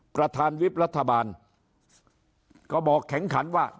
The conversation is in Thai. ประธานวิบรัฐบาลก็บอกแข็งขันว่า